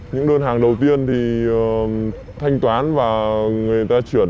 những đơn hàng đầu tiên thì thanh toán và người ta chuyển